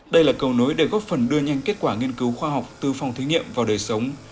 đây là cầu nối để góp phần đưa nhanh kết quả nghiên cứu khoa học từ phòng thí nghiệm vào đời sống